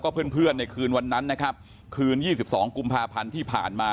เพื่อนเพื่อนในคืนวันนั้นนะครับคืน๒๒กุมภาพันธ์ที่ผ่านมา